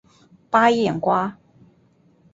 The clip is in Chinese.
八叶瓜